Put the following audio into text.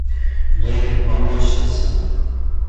Левин поморщился.